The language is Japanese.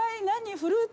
フルーツ？